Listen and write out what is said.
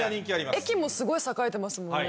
駅もすごい栄えてますもんね。